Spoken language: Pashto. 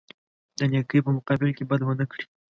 د نیکۍ په مقابل کې بد ونه کړي.